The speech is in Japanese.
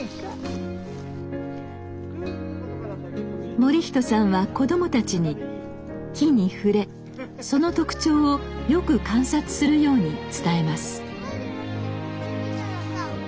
盛人さんは子供たちに木に触れその特徴をよく観察するように伝えます。